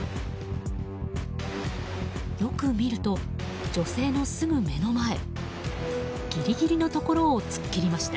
よく見ると、女性のすぐ目の前ギリギリのところを突っ切りました。